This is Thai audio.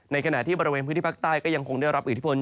ขณะที่บริเวณพื้นที่ภาคใต้ก็ยังคงได้รับอิทธิพล